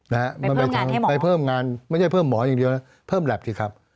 ไปเพิ่มงานให้หมอไปเพิ่มงานไม่ใช่เพิ่มหมออย่างเดียวนะเพิ่มแหลปสิครับ